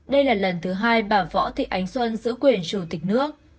đây là lần thứ hai bà võ thị ánh xuân giữ quyền chủ tịch nước